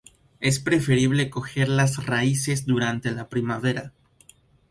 Es preferible coger las raíces durante la primavera.